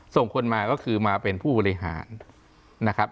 ส่งคนมาก็คือมาเป็นผู้บริหารนะครับ